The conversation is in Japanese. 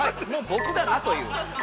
◆僕だなという。